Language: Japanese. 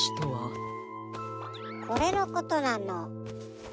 これのことなの。